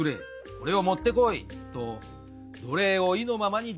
これを持ってこいと奴隷を意のままにできるからです。